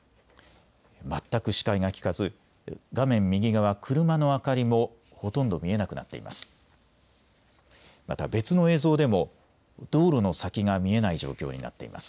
全く視界が利かず画面右側、車の明かりもほとんど見えなくなっています。